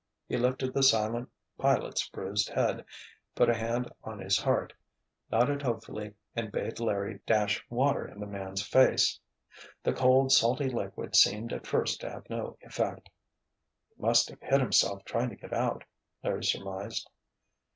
He lifted the silent pilot's bruised head, put a hand on his heart, nodded hopefully and bade Larry dash water in the man's face. The cold, salty liquid seemed at first to have no effect. "He must have hit himself trying to get out," Larry surmised.